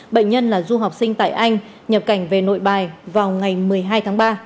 bệnh nhân là du học sinh tại anh nhập cảnh về nội bài vào ngày một mươi hai tháng ba